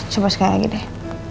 coba sekali lagi deh